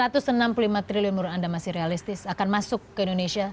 rp satu ratus enam puluh lima triliun menurut anda masih realistis akan masuk ke indonesia